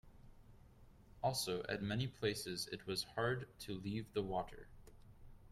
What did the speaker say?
Also, at many places it was hard to leave the water.